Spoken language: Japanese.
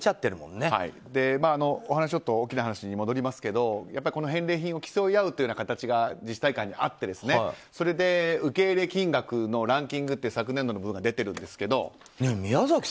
大きな話に戻りますけど返礼品を競い合うという形が自治体間にはあってそれで受け入れ金額のランキング昨年度の分が出てるんですけど。